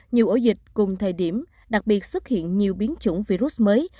nhiều ổ dịch cùng thời điểm đặc biệt xuất hiện nhiều biến chủng virus mới